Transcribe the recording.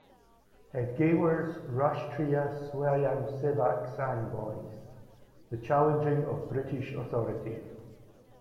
Hedgewar's Rashtriya Swayamsevak Sangh boys; the challenging of British authority.